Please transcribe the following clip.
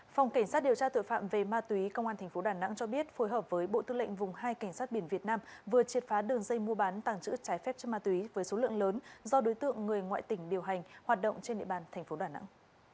phòng cảnh sát điều tra tội phạm về ma túy công an tp đà nẵng cho biết phối hợp với bộ tư lệnh vùng hai cảnh sát biển việt nam vừa triệt phá đường dây mua bán tàng trữ trái phép cho ma túy với số lượng lớn do đối tượng người ngoại tỉnh điều hành hoạt động trên địa bàn thành phố đà nẵng